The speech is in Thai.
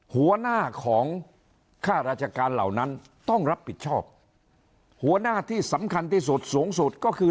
หัวหน้าของค่าราชการเหล่านั้นต้องรับผิดชอบหัวหน้าที่สำคัญที่สุดสูงสุดก็คือ